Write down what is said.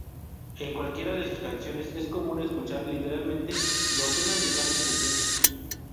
En cualquiera de sus canciones, es común escuchar literalmente docenas de cambios de tiempo.